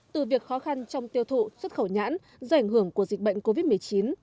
từ việc khó khăn trong tiêu thụ xuất khẩu nhãn do ảnh hưởng của dịch bệnh covid một mươi chín